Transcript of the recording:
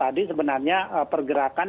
tadi sebenarnya pergerakan